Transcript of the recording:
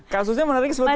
kasusnya menarik seperti itu